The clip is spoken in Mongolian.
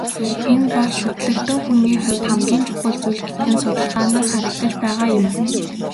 Энэ бол шүтлэгтэн хүний хувьд хамгийн чухал зүйл гэдэг нь судалгаанаас харагдаж байгаа юм.